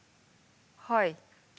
はい。